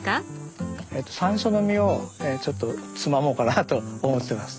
さんしょうの実をちょっとつまもうかなと思ってます。